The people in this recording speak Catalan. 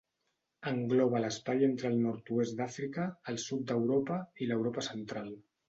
Engloba l'espai entre el nord-oest d'Àfrica, el sud d'Europa i l'Europa central.